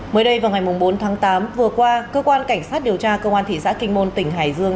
mới đây vào ngày bốn tháng tám vừa qua cơ quan cảnh sát điều tra công an thị xã kinh môn tỉnh hải dương